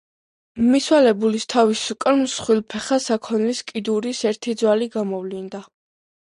მიცვალებულის თავის უკან მსხვილფეხა საქონლის კიდურის ერთი ძვალი გამოვლინდა.